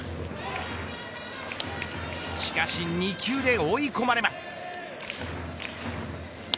しかし２球で追い込まれます。